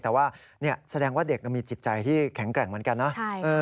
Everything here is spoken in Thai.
แต่ว่าแสดงว่าเด็กมีจิตใจที่แข็งแกร่งเหมือนกันนะ